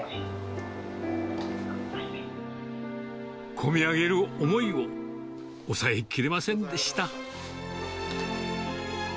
込み上げる思いを、抑えきれませんでした。